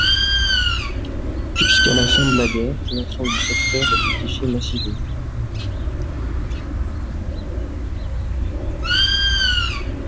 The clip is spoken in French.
Jusqu'à la fin de la guerre, l'ensemble du secteur est fortifié massivement.